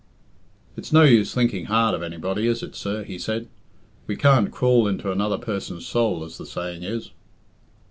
"It's no use thinking hard of anybody, is it, sir?" he said. "We can't crawl into another person's soul, as the saying is."